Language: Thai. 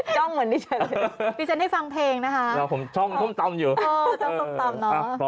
จ้องเหมือนดิฉันเลยดิฉันได้ฟังเพลงนะคะแล้วผมช่องส้มตำอยู่เออช่องส้มตำเนอะ